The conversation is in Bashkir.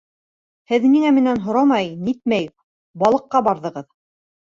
— Һеҙ ниңә минән һорамай-нитмәй балыҡҡа барҙығыҙ?